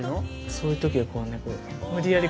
そういう時はこうね無理やり